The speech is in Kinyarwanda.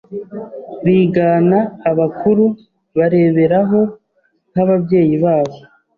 bigana abakuru bareberaho nk'ababyeyi babo